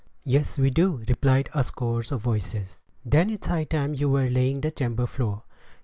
"Yes, we do," replied a score of voices. "Then it's high time you were laying the chamber floor."